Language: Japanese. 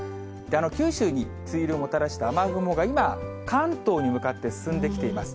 九州に梅雨入りをもたらした雨雲が今、関東に向かって進んできています。